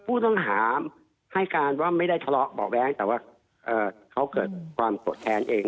พูดถามให้การว่าไม่ได้ทะเลาะบอกแบงก์แต่ว่าเขาเกิดความโกรธแทนเอง